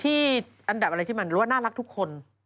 อันดับอะไรที่มันรู้ว่าน่ารักทุกคน